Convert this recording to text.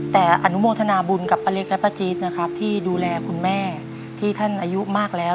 แต่อนุโมทนาบุญกับป้าเล็กและป้าจี๊ดนะครับที่ดูแลคุณแม่ที่ท่านอายุมากแล้ว